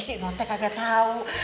si non teh kagak tahu